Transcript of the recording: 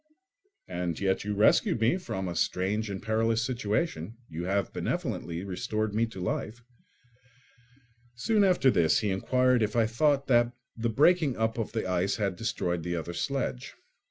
"And yet you rescued me from a strange and perilous situation; you have benevolently restored me to life." Soon after this he inquired if I thought that the breaking up of the ice had destroyed the other sledge.